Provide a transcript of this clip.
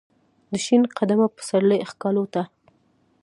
دشین قدمه پسرلی ښکالو ته ،